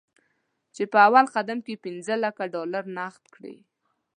چې په اول قدم کې پنځه لکه ډالر نغد ورکړي.